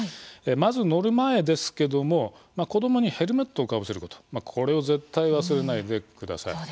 まず乗る前ですけども子供にヘルメットをかぶせることこれを絶対忘れないでください。